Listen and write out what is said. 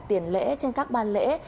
tiền lễ trên các ban lễ